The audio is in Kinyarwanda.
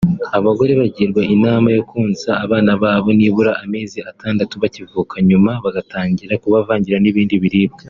Abagore bagirwa inama yo konsa abana babo nibura amezi atandatu bakivuka nyuma bagatangira kubavangira n’ibindi biribwa